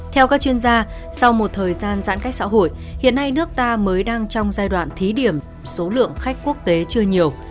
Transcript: theo các chuyên gia sau một thời gian giãn cách xã hội hiện nay nước ta mới đang trong giai đoạn thí điểm số lượng khách quốc tế chưa nhiều